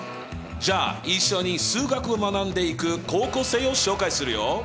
じゃあ一緒に数学を学んでいく高校生を紹介するよ。